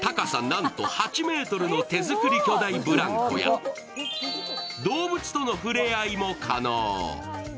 なんと８ｍの手作り巨大ブランコや動物との触れ合いも可能。